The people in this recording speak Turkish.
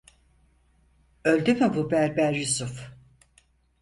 Öldü mü bu berber Yusuf?